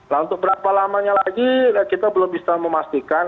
nah untuk berapa lamanya lagi kita belum bisa memastikan